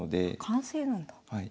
完成なんだ。